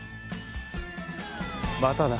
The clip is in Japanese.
またな。